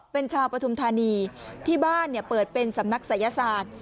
เป็นชาวปฐุมธานีที่บ้านเปิดเป็นสำนักศัยศาสตร์